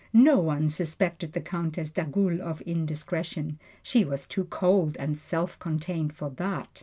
No one suspected the Countess d'Agoult of indiscretion she was too cold and self contained for that!